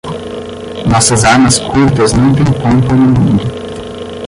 Nossas armas curtas não têm pompa no mundo.